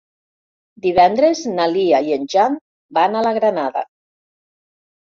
Divendres na Lia i en Jan van a la Granada.